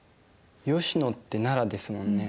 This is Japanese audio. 吉野って奈良ですもんね。